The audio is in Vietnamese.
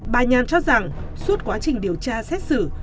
bà nhàn cho rằng suốt quá trình điều tra xét xử